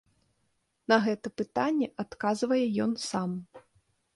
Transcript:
На гэта пытанне адказвае ён сам.